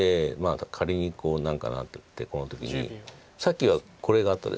仮にこう何かなってこの時にさっきはこれがあったでしょ。